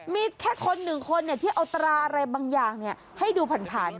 มีแค่คนหนึ่งคนเนี้ยที่เอาตราอะไรบางอย่างเนี้ยให้ดูผ่านผ่าน